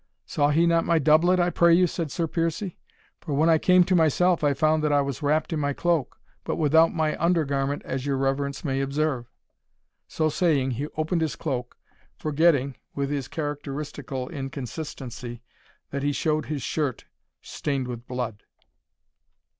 "Saw he not my doublet, I pray you?" said Sir Piercie; "for when I came to myself, I found that I was wrapped in my cloak, but without my under garment as your reverence may observe." So saying, he opened his cloak, forgetting, with his characteristical inconsistency, that he showed his shirt stained with blood.